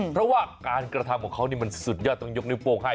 เพราะว่าการกระทำของเขานี่มันสุดยอดต้องยกนิ้วโป้งให้